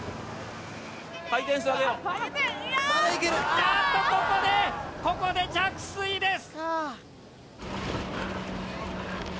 あっとここでここで着水です！